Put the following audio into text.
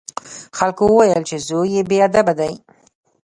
خلکو وویل چې زوی یې بې ادبه دی.